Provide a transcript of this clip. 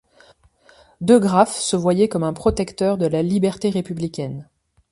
De Graeff se voyait comme un protecteur de la liberté républicaine.